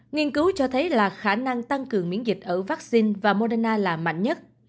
nghiên cứu cho thấy là khả năng tăng cường miễn dịch ở vaccine và moderna là mạnh nhất